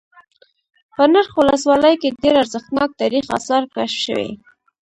په نرخ ولسوالۍ كې ډېر ارزښتناك تاريخ آثار كشف شوي